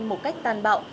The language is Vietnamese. một cách tàn bạo